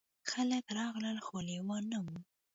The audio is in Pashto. خلک راغلل خو لیوه نه و.